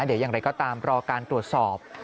เดี๋ยวอย่างไรก็ตามรอการตรวจสอบ